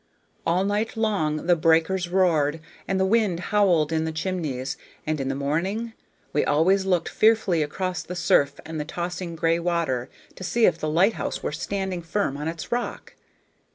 All night long the breakers roared, and the wind howled in the chimneys, and in the morning we always looked fearfully across the surf and the tossing gray water to see if the lighthouse were standing firm on its rock.